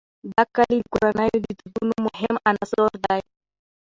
دا کلي د کورنیو د دودونو مهم عنصر دی.